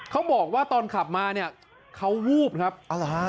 เขาบอกว่าตอนขับมาเขาวูบนะครับ